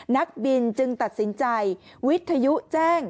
นักบินจึงตัดสินใจวิทยุแจ้ง